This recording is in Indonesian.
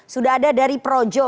sudah ada dari projo